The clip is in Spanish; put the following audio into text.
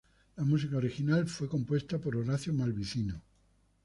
La música original fue compuesta por Horacio Malvicino.